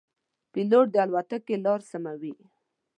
پیلوټ د الوتکې لاره سموي.